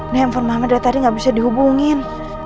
nih empor mama dari tadi gak bisa dihubungin